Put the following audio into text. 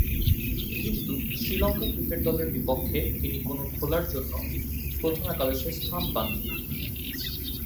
কিন্তু শ্রীলঙ্কা ক্রিকেট দলের বিপক্ষে তিনি কোন খেলার জন্য প্রথম একাদশে স্থান পাননি।